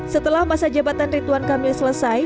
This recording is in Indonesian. setelah masa jabatan rituan kamil selesai